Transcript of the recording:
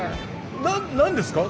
何ですか？